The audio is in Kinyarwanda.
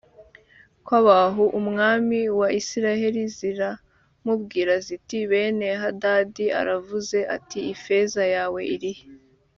kwa ahabu umwami wa isirayeli ziramubwira ziti beni hadadi aravuze ati ifeza yawe irihe